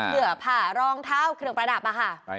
เผื่อผ่ารองเท้าเครื่องประดับอะค่ะ